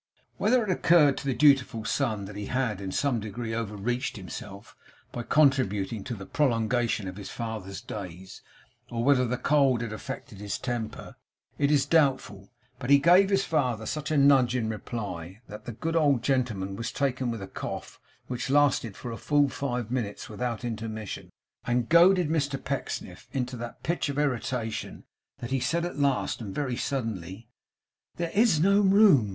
Whether it occurred to the dutiful son that he had in some degree over reached himself by contributing to the prolongation of his father's days; or whether the cold had effected his temper; is doubtful. But he gave his father such a nudge in reply, that that good old gentleman was taken with a cough which lasted for full five minutes without intermission, and goaded Mr Pecksniff to that pitch of irritation, that he said at last and very suddenly: 'There is no room!